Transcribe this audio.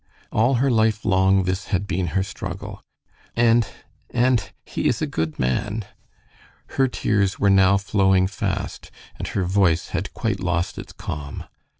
All her life long this had been her struggle. "And and he is a good man." Her tears were now flowing fast, and her voice had quite lost its calm.